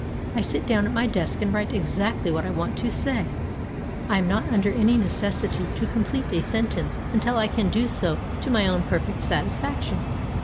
I sit down at my desk and write exactly what I want to say. I am not under any necessity to complete a sentence until I can do so to my own perfect satisfaction.